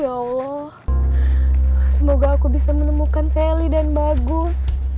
ya allah semoga aku bisa menemukan sally dan bagus